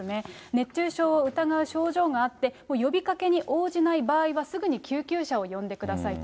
熱中症を疑う症状があって、呼びかけに応じない場合は、すぐに救急車を呼んでくださいと。